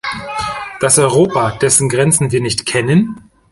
Das Europa, dessen Grenzen wir nicht kennen?